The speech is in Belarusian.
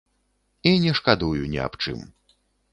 І не шкадую ні аб чым.